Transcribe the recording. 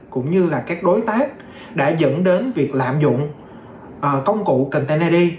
cũng như là các đối tác đã dẫn đến việc lạm dụng công cụ content id